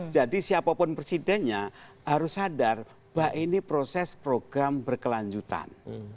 jadi siapapun presidennya harus sadar bahwa ini proses program berkelanjutan